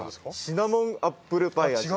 シナモンアップルパイ味。